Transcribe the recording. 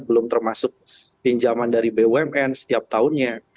belum termasuk pinjaman dari bumn setiap tahunnya